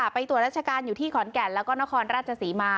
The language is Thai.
ไปตรวจราชการอยู่ที่ขอนแก่นแล้วก็นครราชศรีมา